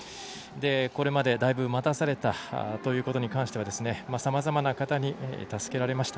これまで、だいぶ待たされたということに関してはさまざまな方に助けられました。